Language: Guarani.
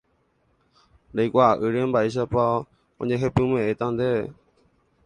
reikuaa'ỹre mba'éichapa ojehepyme'ẽta ndéve